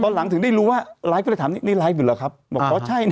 หลังถึงได้รู้ว่าไลฟ์ก็เลยถามนี่ไลฟ์อยู่แล้วครับบอกอ๋อใช่นะ